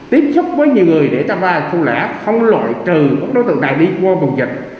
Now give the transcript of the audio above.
tiếp xúc với nhiều người để tạm vai không lẽ không lội trừ các đối tượng đại đi qua vùng dịch